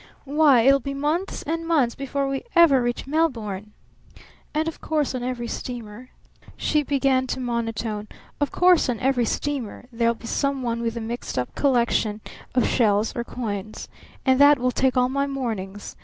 Why, it will be months and months before we ever reach Melbourne! And of course on every steamer," she began to monotone, "of course on every steamer there'll be some one with a mixed up collection of shells or coins and that will take all my mornings.